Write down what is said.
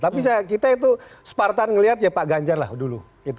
tapi kita itu separtan melihat ya pak ganjar lah dulu